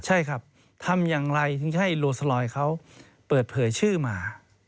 ใช่ครับทำอย่างไรถึงจะให้โลสลอยเขาเปิดเผยชื่อมา